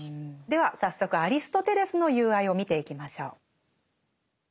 では早速アリストテレスの「友愛」を見ていきましょう。